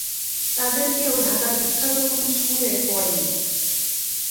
তাদের কেউ ঢাকার বিখ্যাত কোনো স্কুলে পড়েনি।